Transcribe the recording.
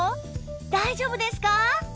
大丈夫ですか？